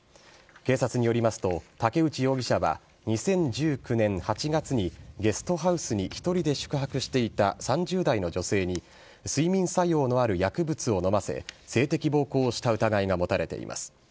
警察によりますと武内容疑者は２０１９年８月にゲストハウスに１人で宿泊していた３０代の女性に睡眠作用のある薬物を飲ませ性的暴行をした疑いが持たれています。